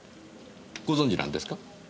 ご存じなんですか？